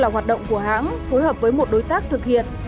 hoạt động của hãng phối hợp với một đối tác thực hiện